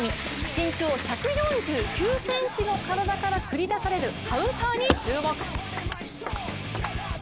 身長１４９ｃｍの体から繰り出されるカウンターに注目。